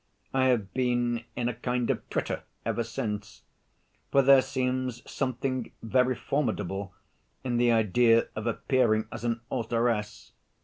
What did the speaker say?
I have been in a kind of twitter ever since, for there seems something very formidable in the idea of appearing as an authoress!